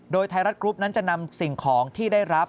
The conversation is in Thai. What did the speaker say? โดยไทยรัฐกรุ๊ปนั้นจะนำสิ่งของที่ได้รับ